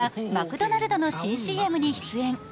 堺雅人さんがマクドナルドの新ＣＭに出演。